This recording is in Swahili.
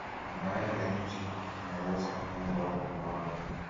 baadhi ya nchi mtu anaweza kufungwa au kuuawa